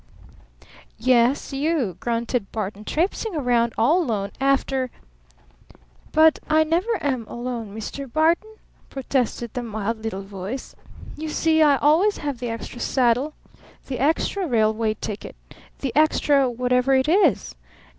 "Yes you," grunted Barton. "Traipsing 'round all alone after " "But I never am alone, Mr. Barton," protested the mild little voice. "You see I always have the extra saddle, the extra railway ticket, the extra what ever it is.